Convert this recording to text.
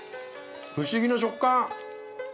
不思議な食感！